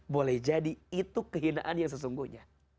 boleh jadi itu kehinaan yang sesungguhnya